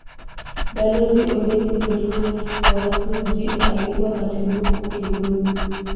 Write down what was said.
Balozi Ombeni Sefue wa Suji alikuwa Katibu mkuu Kiongozi